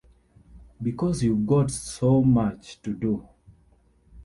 Because you've got so much to do.